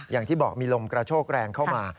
อย่างที่บอกมีลมกระโชกแรงเข้ามา